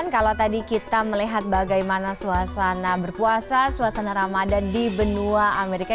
kalau tadi kita melihat bagaimana suasana berpuasa suasana ramadan di benua amerika